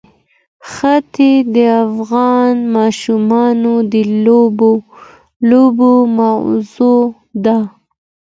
ښتې د افغان ماشومانو د لوبو موضوع ده.